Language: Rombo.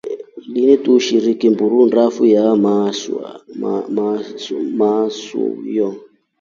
Linu tulishirisha mburu ndafu iya ya masahuyo.